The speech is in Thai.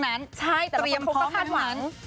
ใช่แต่ล่าพอพร็อมก็คาดหวังเตรียมพร้อมเพื่อนแล้วมั้ยวาง